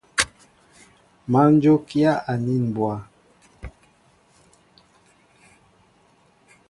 Má njókíá anin mbwa.